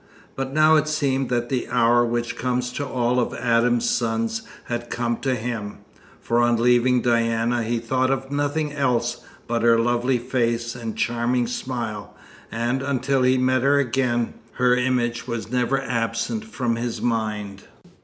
But now it seemed that the hour which comes to all of Adam's sons had come to him; for on leaving Diana he thought of nothing else but her lovely face and charming smile, and, until he met her again, her image was never absent from his mind.